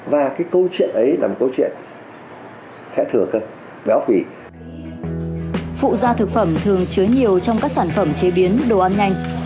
phụ da thực phẩm thường chứa nhiều trong các sản phẩm chế biến đồ ăn nhanh